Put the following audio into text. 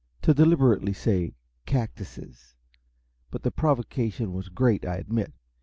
To deliberately say "cactuses" but the provocation was great, I admit.